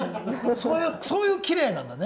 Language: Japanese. そういうキレイなんだね。